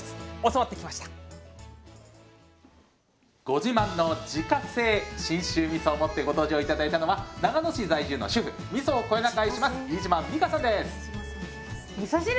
ご自慢の自家製信州みそを持ってご登場頂いたのは長野市在住の主婦みそをこよなく愛します飯島美香さんです！